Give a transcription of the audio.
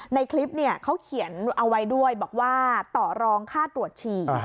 ในคลิปเขาเขียนเอาไว้ด้วยบอกว่าต่อรองค่าตรวจฉี่